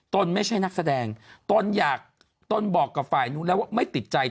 ไม่ใช่นักแสดงตนอยากตนบอกกับฝ่ายนู้นแล้วว่าไม่ติดใจ